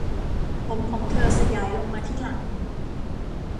ผมของเธอสยายลงมาที่หลัง